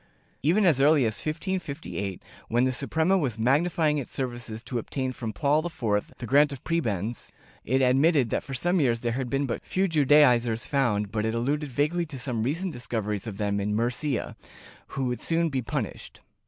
^ Even as early as 1558, when the Suprema was magnifying its services to obtain from Paul IV the grant of prebends, it admitted that for some years there had been but few Judaizers found, but it alluded vaguely to some recent dis coveries of them in Murcia, who would soon be punished.